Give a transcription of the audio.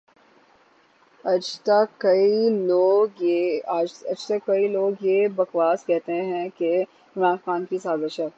اجتک کئئ لوگ یہ بکواس کہتے ھیں کہ عمران خان کی سازش ھے